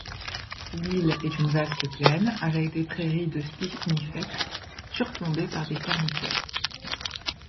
L'île est une vaste plaine avec des prairies de spinifex surplombées par des termitières.